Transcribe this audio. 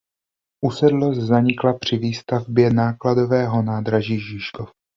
Usedlost zanikla při výstavbě Nákladového nádraží Žižkov.